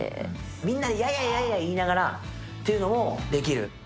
みんなヤイヤイ言いながらっていうのもできる。